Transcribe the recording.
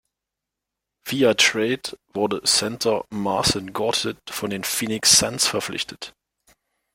Via Trade wurde Center Marcin Gortat von den Phoenix Suns verpflichtet.